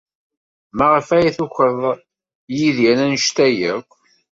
Maɣef ay tukeḍ Yidir anect-a akk?